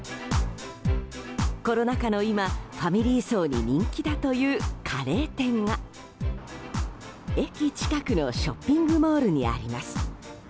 コロナ禍の今ファミリー層に人気だというカレー店が駅近くのショッピングモールにあります。